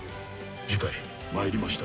次回「魔入りました！